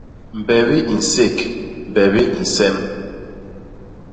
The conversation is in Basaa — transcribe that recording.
Mbebi i nsék, mbebi i nsem.